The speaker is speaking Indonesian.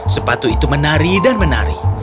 sepatu itu menari dan menari